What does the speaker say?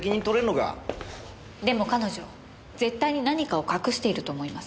でも彼女絶対に何かを隠していると思います。